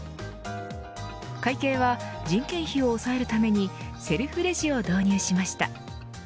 会計は人件費を抑えるためにセルフレジを導入しました。